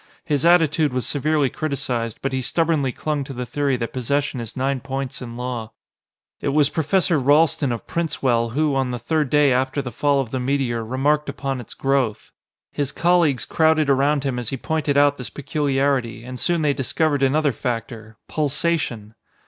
His attitude was severely criticized, but he stubbornly clung to the theory that possession is nine points in law. It was Professor Ralston of Princewell who, on the third day after the fall of the meteor, remarked upon its growth. His colleagues crowded around him as he pointed out this peculiarity, and soon they discovered another factor pulsation!